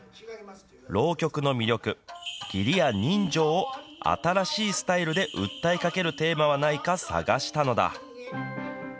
浪曲の魅力、義理や人情を新しいスタイルで訴えかけるテーマはないか、探したのだ。